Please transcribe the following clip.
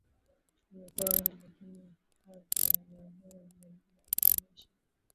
wamekuwa wengi lakini hadhi ya eneo huru ni jaribio la kuonyesha